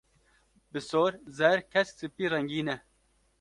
bi sor, zer, kesk, sipî rengîn e.